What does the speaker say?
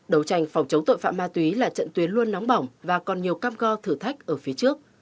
đấu tranh phòng chống tội phạm ma túy là trận tuyến luôn nóng bỏng và còn nhiều cam go thử thách ở phía trước